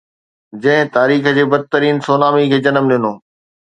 جنهن تاريخ جي بدترين سونامي کي جنم ڏنو.